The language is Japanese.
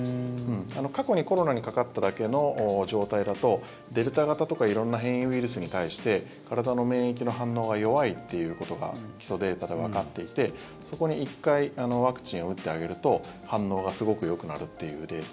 過去にコロナにかかっただけの状態だとデルタ型とか色んな変異ウイルスに対して体の免疫の反応が弱いってことが基礎データでわかっていてそこに１回ワクチンを打ってあげると反応がすごくよくなるっていうデータ。